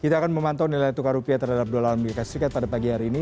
kita akan memantau nilai tukar rupiah terhadap dolar as pada pagi hari ini